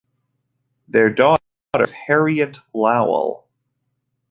Their daughter is Harriet Lowell.